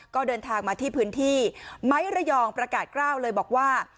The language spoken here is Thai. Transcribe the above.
ก็เดินทางมาที่พื้นที่ไม้ระยองประกาศกล้าวเลยบอกว่า